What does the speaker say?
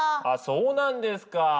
あそうなんですか。